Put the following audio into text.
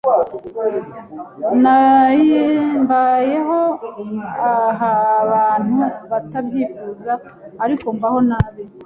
Nbayeho abantu batabyifuza ariko mbaho nabi